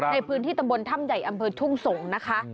ในพื้นที่ตำบลถ้ำใหญ่อำเภอทุ่งสงศ์นะคะ